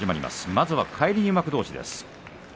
まずは返り入幕どうし。